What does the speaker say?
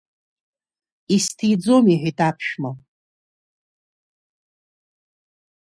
Исҭиӡом, — иҳәеит аԥшәма.